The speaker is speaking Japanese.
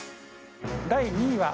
第２位は。